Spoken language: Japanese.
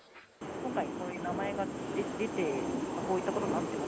今回、こういう名前が出て、こういったことになってます